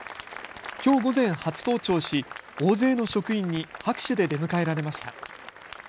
きょう午前、初登庁し大勢の職員に拍手で出迎えられました。